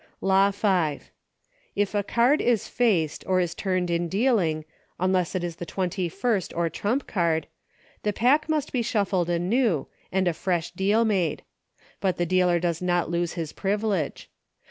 Law V. If a card is faced, or is turned in dealing unless it is the twenty first, or trump card, the pack must be shuffled anew and a fresh deal made ; but the dealer does not lose his privilege.